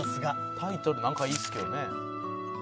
「タイトルなんかいいっすけどね」